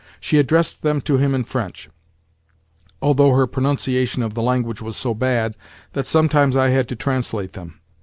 She addressed them to him in French, although her pronunciation of the language was so bad that sometimes I had to translate them.